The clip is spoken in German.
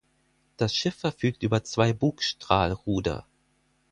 Das Schiff verfügt über zwei Bugstrahlruder.